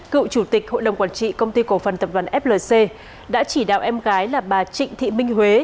cựu chủ tịch hội đồng quản trị công ty cổ phần tập đoàn flc đã chỉ đạo em gái là bà trịnh thị minh huế